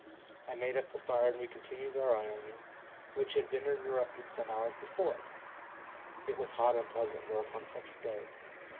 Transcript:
I made up the fire and we continued our ironing, which had been interrupted some hours before. It was hot unpleasant work on such a day.